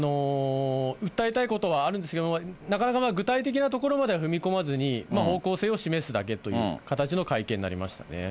訴えたいことはあるんですけれども、なかなか具体的なところまでは踏み込まずに、方向性を示すだけという形の会見になりましたね。